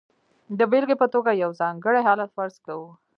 د بېلګې په توګه یو ځانګړی حالت فرض کوو.